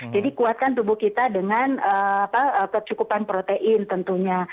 jadi kuatkan tubuh kita dengan kecukupan protein tentunya